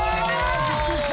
びっくりした。